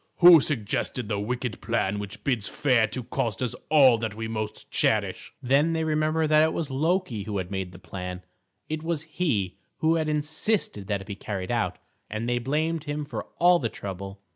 "Who suggested the wicked plan which bids fair to cost us all that we most cherish?" Then they remembered that it was Loki who had made the plan; it was he who had insisted that it be carried out; and they blamed him for all the trouble.